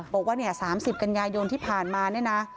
บอกว่า๓๐กัญญายนที่ผ่านมานี่นะ